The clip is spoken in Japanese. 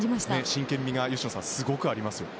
真剣みがすごくありますね。